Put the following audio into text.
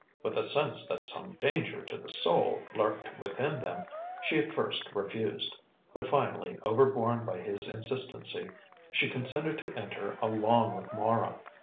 With a sense that some danger to the soul lurked within them, she at first refused, but finally, over borne by his insistency, she consented to enter along with Mara.